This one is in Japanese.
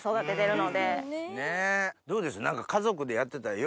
どうです？とかね